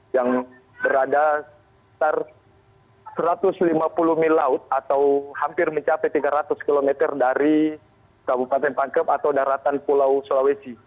yang berada satu ratus lima puluh mil laut atau hampir mencapai tiga ratus km dari kabupaten pangkep atau daratan pulau sulawesi